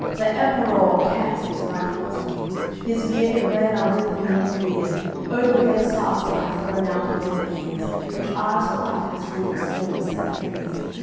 That Emperour canters right haughtily, His bearded men are with him in the rear; Over their sarks they have thrown out their beards Which are as white as driven snows that freeze.